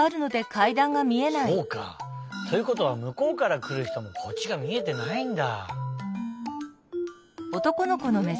そうか。ということはむこうからくるひともこっちがみえてないんだ。